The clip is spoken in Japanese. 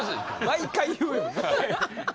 毎回言うよな